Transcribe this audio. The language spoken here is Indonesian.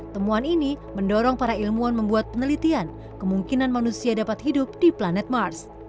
temuan ini mendorong para ilmuwan membuat penelitian kemungkinan manusia dapat hidup di planet mars